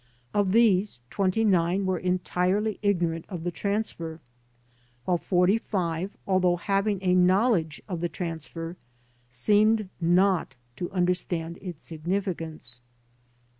Of these 29 were entirely ignorant of the transfer, while 45, although having a knowledge of the transfer, seemed not to understand its significance.